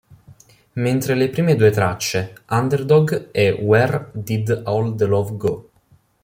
Mentre le prime due tracce, "Underdog" e "Where Did All the Love Go?